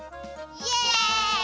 イエイ！